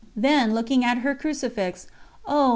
Then, looking at her crucifix: "Oh!